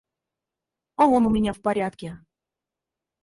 А он у меня в порядке.